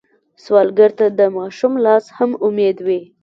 سوالګر ته د ماشوم لاس هم امید وي